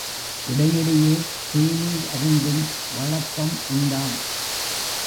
இடையிடையே தேநீர் அருந்தும் வழக்கம் உண்டாம்.